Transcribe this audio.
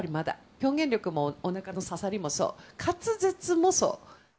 表現力も、おなかの刺さりもそう、滑舌もそう。